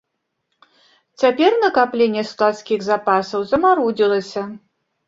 Цяпер накапленне складскіх запасаў замарудзілася.